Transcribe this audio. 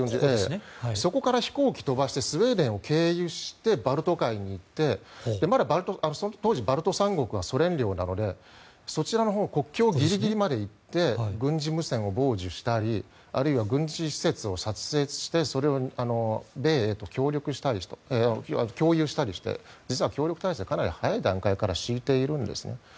そこから飛行機を飛ばしてスウェーデンを経由してバルト海に行ってまだその当時バルト三国はソ連領なのでそちらのほう国境ギリギリまで行って軍事無線を傍受したりあるいは軍事施設を撮影して米英と共有したりして協力体制はかなり早い段階から敷いているんですね。